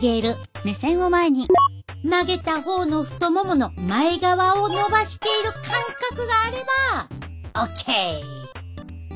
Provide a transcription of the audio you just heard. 曲げた方の太ももの前側をのばしている感覚があればオッケー！